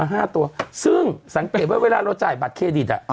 ห้าตัวซึ่งสังเกตว่าเวลาเราจ่ายบัตรเครดิตอ่ะ